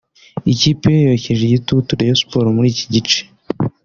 ikipe ye yokeje igitutu Rayon Sports muri iki gice